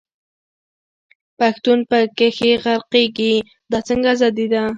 پښتون په کښي غرقېږي، دا څنګه ازادي ده.